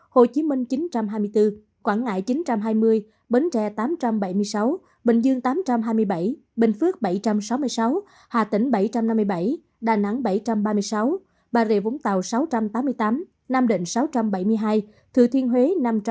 hồ chí minh một chín trăm hai mươi bốn quảng ngại một chín trăm hai mươi bến tre một tám trăm bảy mươi sáu bình dương một tám trăm hai mươi bảy bình phước một bảy trăm sáu mươi sáu hà tĩnh một bảy trăm năm mươi bảy đà nẵng một bảy trăm ba mươi sáu bà rịa vũng tàu một sáu trăm tám mươi tám nam định một sáu trăm bảy mươi hai thừa thiên huế một năm trăm tám mươi chín